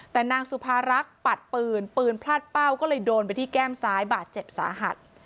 แต่นางสุภารักษ์ปัดปืนปืนพลาดเป้าก็เลยโดนไปที่แก้มซ้ายบาดเจ็บสาหัส